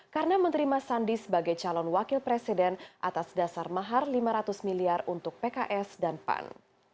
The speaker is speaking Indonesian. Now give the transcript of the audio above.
karena menerima sandi sebagai calon wakil presiden atas dasar mahar lima ratus miliar untuk pks dan pan